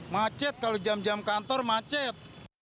macet kalau jam jam kantor macet